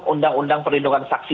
undang undang perlindungan saksi